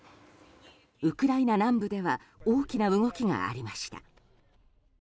ウクライナ南部では大きな動きがありました。